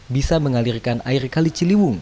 bisa mengalirkan air kali ciliwung